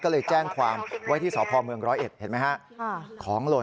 ก็เลยแจ้งความไว้ที่สพร้อยเอ็ดเห็นไหมครับ